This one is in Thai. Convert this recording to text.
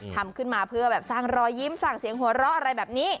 ทำขึ้นมาเพื่อแบบสร้างรอยยิ้มสร้างเสียงหัวเราะอะไรแบบนี้